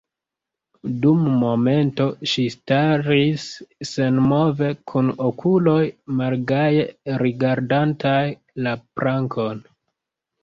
Dum momento ŝi staris senmove, kun okuloj malgaje rigardantaj la plankon.